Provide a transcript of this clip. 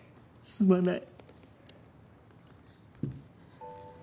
すまない。